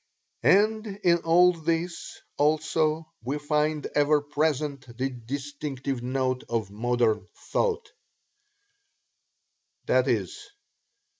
And in all this, also, we find ever present the distinctive note of modern thought, viz.